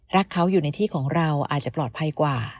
รักเขาอยู่ในที่ของเราอาจจะปลอดภัยกว่า